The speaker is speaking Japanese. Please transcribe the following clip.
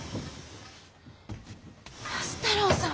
安太郎さん